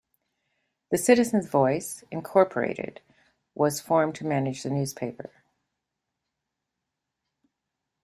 The Citizens' Voice, Incorporated was formed to manage the newspaper.